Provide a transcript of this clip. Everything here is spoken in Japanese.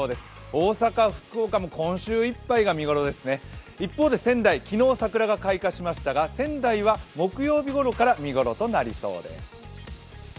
大阪、福岡も今週いっぱいが見頃です一方で仙台、昨日、桜が開花しましたが仙台は木曜日ごろから見頃となりそうです。